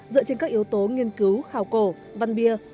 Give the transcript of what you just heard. dựa trên các yếu tố nghiên cứu khảo cổ văn bia